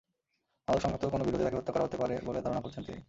মাদকসংক্রান্ত কোনো বিরোধে তাঁকে হত্যা করা হতে পারে বলে ধারণা করছেন তিনি।